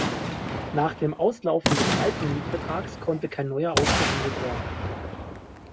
Nach dem Auslaufen des alten Mietvertrags konnte kein neuer ausgehandelt werden.